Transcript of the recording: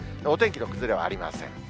お天気の崩れはありません。